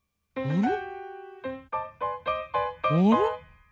うん。